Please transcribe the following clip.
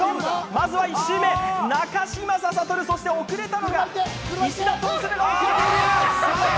まずは１周目、中嶋佐悟、そして遅れたのがイシダトン・セナが遅れている！